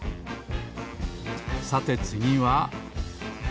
さてつぎは。